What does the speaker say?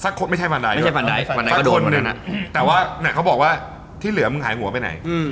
สักคนไม่ใช่วันใดด้วยแต่ว่าเนี่ยเขาบอกว่าที่เหลือมึงหายหัวไปไหน